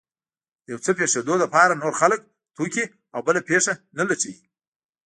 د يو څه پېښېدو لپاره نور خلک، توکي او بله پېښه نه لټوي.